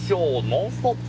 『ノンストップ！』。